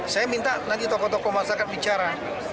saya minta nanti tokoh tokoh masyarakat bicara